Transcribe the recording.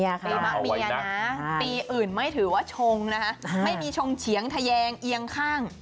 ปีมะเมียนะปีอื่นไม่ถือว่าชงนะฮะไม่มีชงเฉียงทะแยงเอียงข้าง